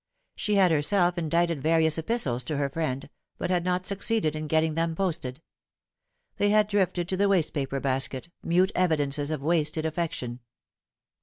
She had herself indited various epistles to her friend, but had not succeeded in getting them posted. They had drifted to the waste paper basket, mute evidences of wasted affection.